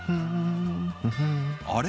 あれ？